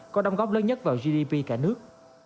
có đóng góp lớn nhất vào gdp cả nước